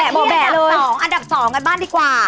บ่แบะเลยอันดับ๒อันดับ๒กันบ้านดีกว่า